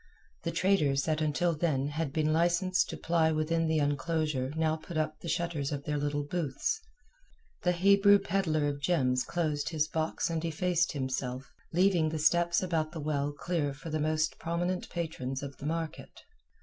The traders that until then had been licensed to ply within the enclosure now put up the shutters of their little booths. The Hebrew pedlar of gems closed his box and effaced himself, leaving the steps about the well clear for the most prominent patrons of the market.